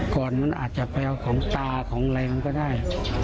ก่อนมันอาจจะไปเอาของตาของอะไรมันก็ได้